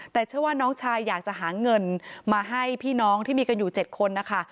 แต่เชื่อว่าน้องชายอยากจะหาเงินมาให้พี่น้องที่มีกันอยู่๗คนนะคะ